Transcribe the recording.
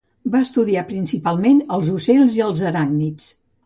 Va estudiar principalment els ocells i els aràcnids.